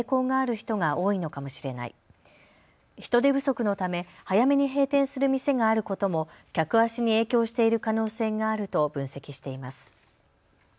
人手不足のため早めに閉店する店があることも客足に影響している可能性があると分析しています。